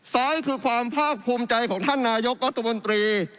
ซ้ายคือความภาคภูมิใจของท่านนายกรัฐมนตรี